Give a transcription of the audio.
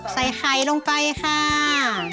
ใส่ไข่ลงไปค่ะ